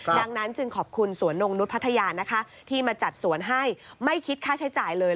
ดังนั้นจึงขอบคุณสวนนงนุษย์พัทยานะคะที่มาจัดสวนให้ไม่คิดค่าใช้จ่ายเลย